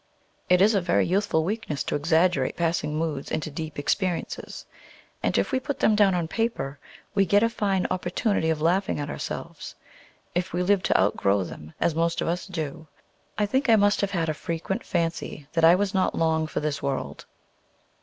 It is a very youthful weakness to exaggerate passing moods into deep experiences, and if we put them down on paper, we get a fine opportunity of laughing at ourselves, if we live to outgrow them, as most of us do. I think I must have had a frequent fancy that I was not long for this world.